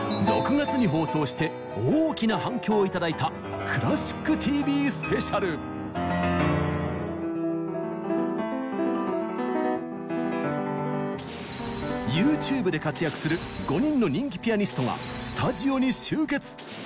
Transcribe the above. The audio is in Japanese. ６月に放送して大きな反響を頂いたＹｏｕＴｕｂｅで活躍する５人の人気ピアニストがスタジオに集結。